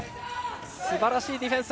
すばらしいディフェンス。